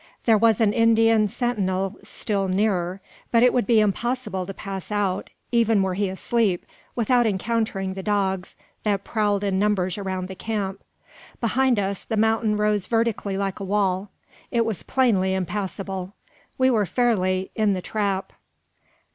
There was an Indian sentinel still nearer; but it would be impossible to pass out, even were he asleep, without encountering the dogs that prowled in numbers around the camp. Behind us, the mountain rose vertically like a wall. It was plainly impassable. We were fairly "in the trap."